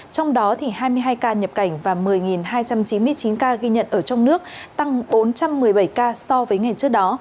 trong đó hai mươi hai ca nhập cảnh và một mươi hai trăm chín mươi chín ca ghi nhận ở trong nước tăng bốn trăm một mươi bảy ca so với ngày trước đó